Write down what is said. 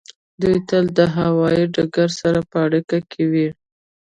دوی تل د هوایی ډګر سره په اړیکه کې وي